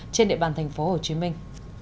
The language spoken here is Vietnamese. trên địa bàn thành phố hồ chí minh